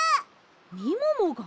みももが？